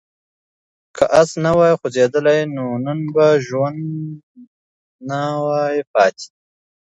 که آس نه وای خوځېدلی نو نن به ژوندی نه وای پاتې.